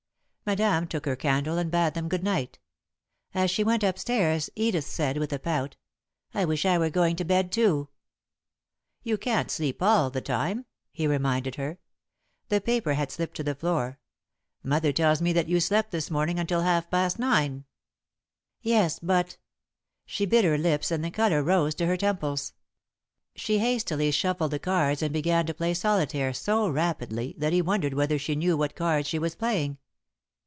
Madame took her candle and bade them good night. As she went up stairs, Edith said, with a pout: "I wish I were going to bed too." "You can't sleep all the time," he reminded her. The paper had slipped to the floor. "Mother tells me that you slept this morning until half past nine." [Sidenote: The Souvenir of Rural Lovers] "Yes but ." She bit her lips and the colour rose to her temples. She hastily shuffled the cards and began to play solitaire so rapidly that he wondered whether she knew what cards she was playing.